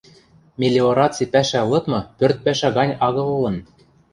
Мелиораци пӓшӓ лыдмы пӧрт пӓшӓ гань агыл ылын.